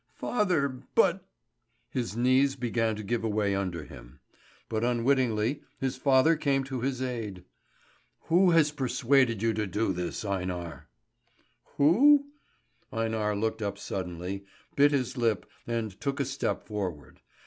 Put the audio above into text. "Father but ." His knees began to give away under him; but unwittingly his father came to his aid? "Who has persuaded you to do this, Einar?" "Who?" Einar looked up suddenly, bit his lip and took a step forward.